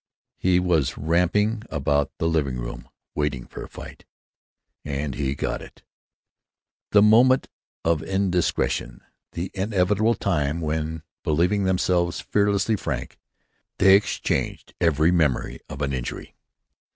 He was ramping about the living room, waiting for a fight—and he got it. Their moment of indiscretion. The inevitable time when, believing themselves fearlessly frank, they exaggerated every memory of an injury.